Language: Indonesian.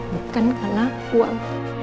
bukan karena uang